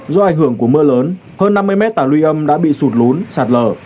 do ảnh hưởng của mưa lớn hơn năm mươi m tảng luy âm đã bị sụt lún sạt lờ